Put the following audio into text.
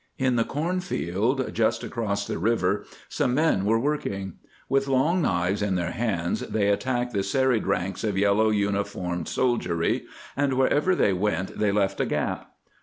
In the corn field just across the river some men were working. With long knives in their hands they attacked the serried ranks of yellow uniformed soldiery, and wherever they went they left a gap.